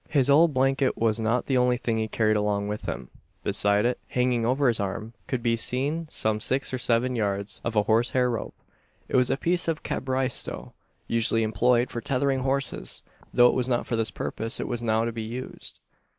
His old blanket was not the only thing he carried along with him. Beside it, hanging over his arm, could be seen some six or seven yards of a horsehair rope. It was a piece of a cabriesto usually employed for tethering horses though it was not for this purpose it was now to be used.